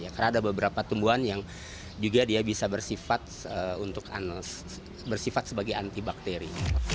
karena ada beberapa tumbuhan yang juga dia bisa bersifat sebagai antibakteri